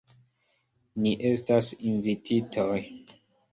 Ni estas invititoj.